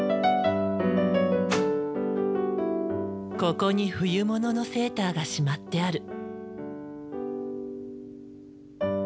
ここに冬物のセーターがしまってある。